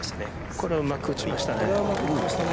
これをうまく打ちましたね。